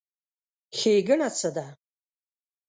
ښېګڼه څه ده؟